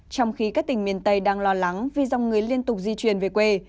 trong khi các tỉnh miền tây đang lo lắng vì dòng người liên tục di chuyển về quê